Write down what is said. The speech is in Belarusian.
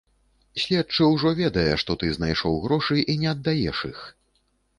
Следчы ўжо ведае, што ты знайшоў грошы і не аддаеш іх.